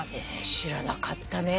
知らなかったね。